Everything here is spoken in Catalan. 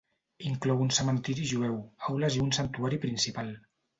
Inclou un cementiri jueu, aules i un santuari principal.